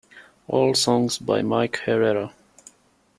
All songs by Mike Herrera.